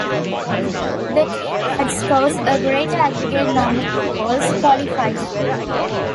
The team that scores a greater aggregate number of goals qualifies.